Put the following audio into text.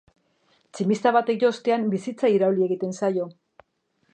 Tximista batek jo ostean, bizitza irauli egiten zaio.